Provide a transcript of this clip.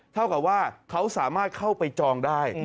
เท่ากับว่าเขาสามารถเข้าไปจองได้